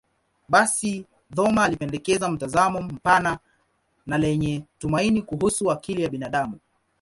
Basi, Thoma alipendekeza mtazamo mpana na lenye tumaini kuhusu akili ya binadamu.